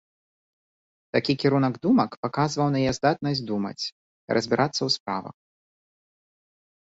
Такі кірунак думак паказваў на яе здатнасць думаць і разбірацца ў справах.